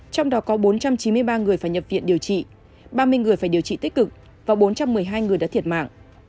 trong đó có bốn trăm chín mươi ba người phải nhập viện điều trị ba mươi người phải điều trị tích cực và bốn trăm một mươi hai người đã thiệt mạng